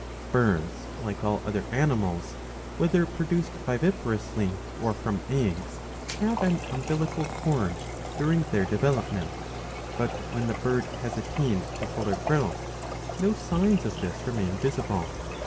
Birds like all other animals, whether produced viviparously or from eggs, have an umbilical cord during their development, but, when the bird has attained to fuller growth, no signs of this remain visible.